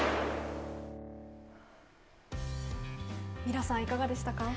ミラさん、いかがでしたか？